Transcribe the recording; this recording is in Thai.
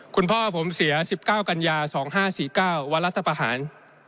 คุณพ่อผมเสีย๑๙กันยา๒๕๔๙วันรัฐประหาร